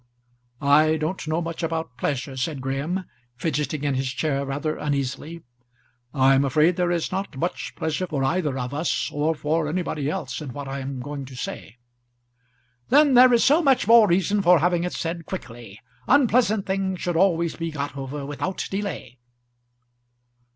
"I don't know much about pleasure," said Graham, fidgeting in his chair, rather uneasily. "I'm afraid there is not much pleasure for either of us, or for anybody else, in what I'm going to say." "Then there is so much more reason for having it said quickly. Unpleasant things should always be got over without delay."